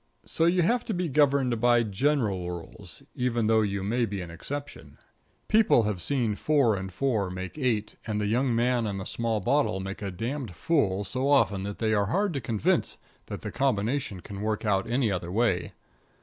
So you have to be governed by general rules, even though you may be an exception. People have seen four and four make eight, and the young man and the small bottle make a damned fool so often that they are hard to convince that the combination can work out any other way.